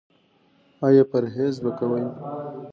ایا پرهیز به کوئ؟